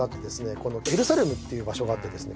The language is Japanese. このエルサレムっていう場所があってですね